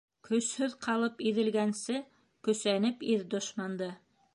Көсһөҙ ҡалып иҙелгәнсе, көсәнеп иҙ дошманды.